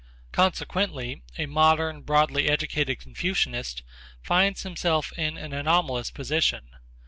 Consequently a modern, broadly educated Confucianist finds himself in an anomalous position.